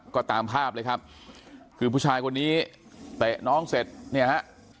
ก็ตามภาพเลยครับคือผู้ชายคนนี้เตะน้องเสร็จเนี่ยฮะ